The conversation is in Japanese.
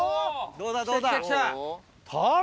どうだどうだ？